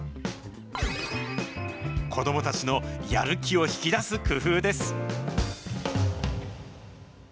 子どもたちのやる気を引き出す工夫です。